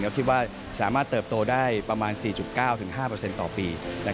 จะคิดว่าสามารถเติบโตได้ประมาณ๔๙๕เปอร์เซ็นต์ต่อปี